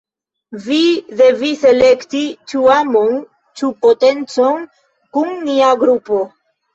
Vi devis elekti ĉu amon, ĉu potencon kun nia grupo.